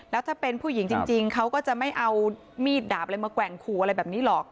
แล้วถ้าเป็นผู้หญิงจริงเขาก็จะไม่เอามีดดาบอะไรมาแกว่งขู่อะไรแบบนี้หรอก